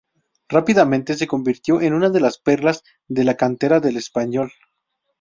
Rápidamente se convirtió en una de las perlas de la cantera del Espanyol.